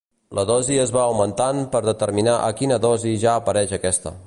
La dosi es va augmentant per determinar a quina dosi ja apareix aquesta.